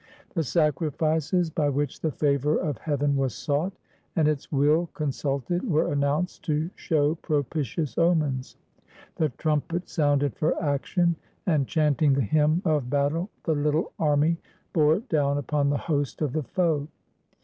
The sacrifices by which the favor of heaven was sought, and its will con sulted, were announced to show propitious omens. The trumpet sounded for action, and, chanting the h}Tnn of 83 GREECE battle, the little army bore down upon the host of the foe.